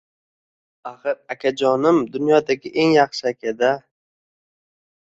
Axir akajonim dunyodagi eng yaxshi aka-da